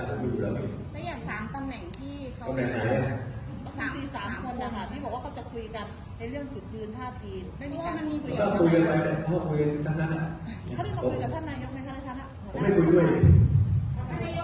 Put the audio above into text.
สัมมุติและกับคนกดประ